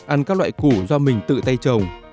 ăn các loại củ do mình tự tay trồng